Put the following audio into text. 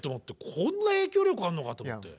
こんな影響力あるのかと思って。